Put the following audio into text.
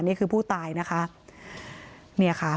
นี่คือผู้ตายนะคะ